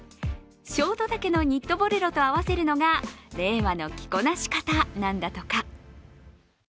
ショート丈のニットボレロと合わせるのが令和の着こなし方なんだとか。